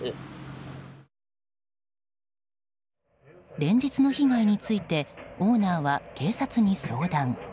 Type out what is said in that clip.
連日の被害についてオーナーは警察に相談。